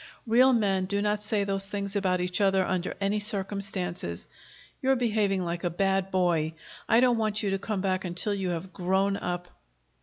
"Real men do not say those things about each other under any circumstances. You're behaving like a bad boy. I don't want you to come back until you have grown up."